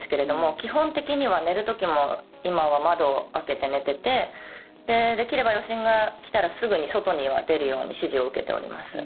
基本的には寝る時も今は窓を開けて寝ててできれば、余震が来たらすぐに外には出るように指示を受けております。